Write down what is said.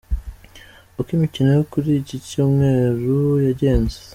Uko imikino yo kuri iki cyumweru yagenze.